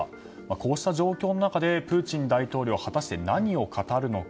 こうした状況の中でプーチン大統領果たして何を語るのか。